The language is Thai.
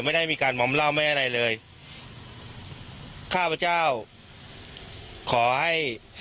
ไม่ได้มีการมอมเหล้าไม่ได้อะไรเลยข้าพเจ้าขอให้